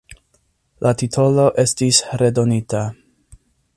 La titolo estis redonita.